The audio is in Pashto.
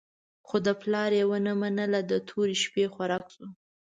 خو د پلار یې ونه منله، د تورې شپې خوراک شو.